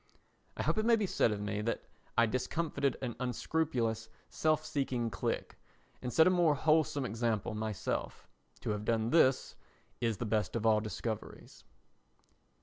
I hope it may be said of me that I discomfited an unscrupulous, self seeking clique, and set a more wholesome example myself. To have done this is the best of all discoveries.